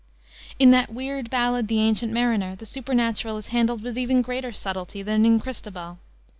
In that weird ballad, the Ancient Mariner, the supernatural is handled with even greater subtlety than in Christabel.